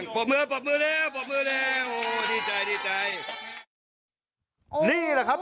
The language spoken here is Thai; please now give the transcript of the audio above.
ปรบมือปรบมือแล้วปรบมือแล้วโอ้ดีใจดีใจนี่แหละครับ